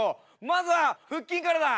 まずは腹筋からだ。